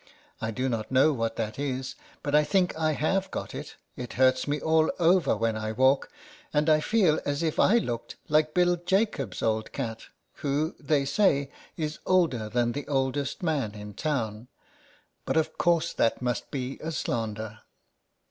I do not know what that is, but I think I have got it : it hurts me all over when I walk, and I feel as if I looked like Bill Jacobs's old cat, who, they say, is older than the old est man in town ; but of course that must be a slander.